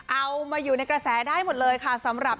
เอามาอยู่ในกระแสได้หมดเลยค่ะสำหรับ